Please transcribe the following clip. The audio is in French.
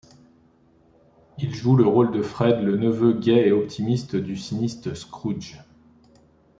Il joue le rôle de Fred, le neveu gai et optimiste du sinistre Scrooge.